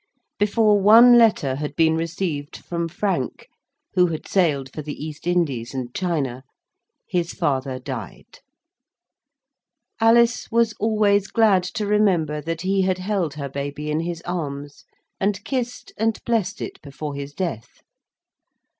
Before one letter had been received from Frank (who had sailed for the East Indies and China), his father died. Alice was always glad to remember that he had held her baby in his arms, and kissed and blessed it before his death.